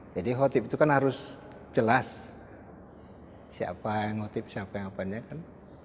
jadi hotib itu kan harus jelas siapa yang hotib siapa yang apanya kan